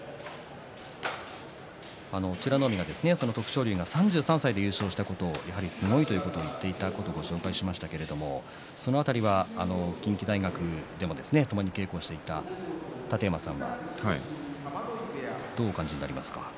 美ノ海が徳勝龍は３３歳で優勝したことをすごいと言っていたことをご紹介しましたけれどもその辺りは、近畿大学でもともに稽古をしていた楯山さんはどうお感じになりますか？